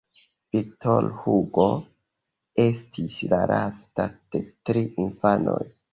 Victor Hugo estis la lasta de tri infanoj.